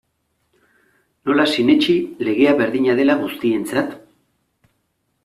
Nola sinetsi legea berdina dela guztientzat?